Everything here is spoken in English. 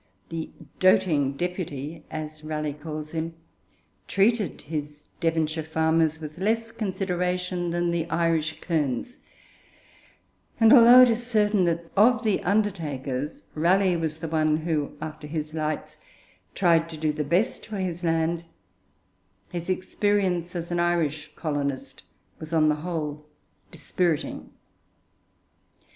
'The doting Deputy,' as Raleigh calls him, treated his Devonshire farmers with less consideration than the Irish kerns, and although it is certain that of all the 'undertakers' Raleigh was the one who, after his lights, tried to do the best for his land, his experience as an Irish colonist was on the whole dispiriting.